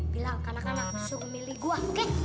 bilang kanak kanak suruh milih gue oke